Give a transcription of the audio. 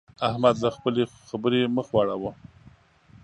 احمد له خپلې خبرې مخ واړاوو.